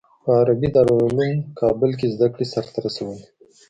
په عربي دارالعلوم کابل کې زده کړې سر ته رسولي.